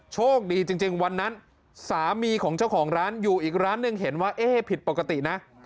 โชคดีจริงวันนั้นสามีของเจ้าของร้านอยู่อีกร้านหนึ่งเห็นว่าเอ๊ะผิดปกตินะ